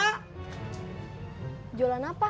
sekarang jual ketoprak bubur kacang ijo sama kue ape